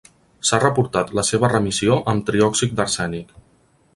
S'ha reportat la seva remissió amb triòxid d'arsènic.